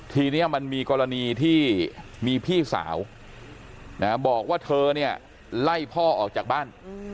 ทีนี้มันมีกรณีที่มีพี่สาวบอกว่าเธอเนี่ยไล่พ่อออกจากบ้าน